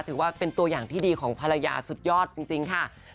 ถือว่าเป็นตัวอย่างที่ดีของภรรยาสุดยอดจริงค่ะ